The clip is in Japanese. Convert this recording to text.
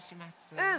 うん！